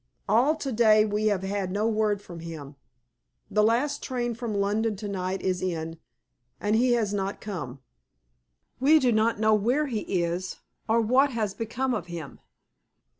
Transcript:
All to day we have had no word from him. The last train from London to night is in, and he has not come. We do not know where he is, or what has become of him.